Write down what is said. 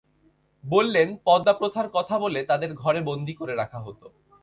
বললেন, পর্দা প্রথার কথা বলে তাঁদের ঘরে বন্দী করে রাখা হতো।